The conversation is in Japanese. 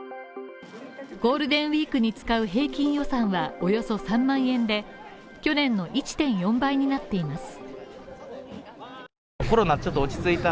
ゴールデンウィークに使う平均予算はおよそ３万円で、去年の１．４倍になっています。